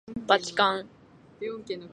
ばちかん